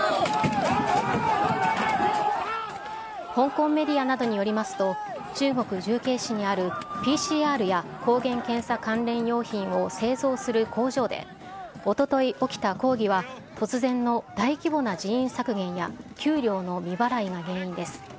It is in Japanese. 香港メディアなどによりますと、中国・重慶市にあるＰＣＲや抗原検査関連用品を製造する工場で、おととい起きた抗議は、突然の大規模な人員削減や給料の未払いが原因です。